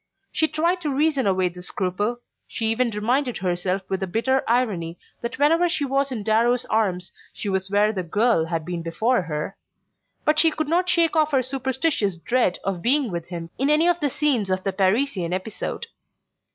She tried to reason away this scruple, she even reminded herself with a bitter irony that whenever she was in Darrow's arms she was where the girl had been before her but she could not shake off her superstitious dread of being with him in any of the scenes of the Parisian episode.